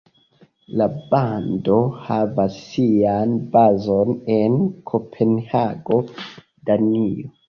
La bando havas sian bazon en Kopenhago, Danio.